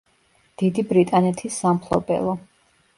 დიდი ბრიტანეთის სამფლობელო.